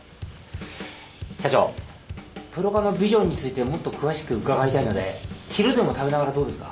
社長プロ化のビジョンについてもっと詳しく伺いたいので昼でも食べながらどうですか？